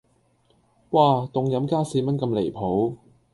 嘩,凍飲加四蚊咁離譜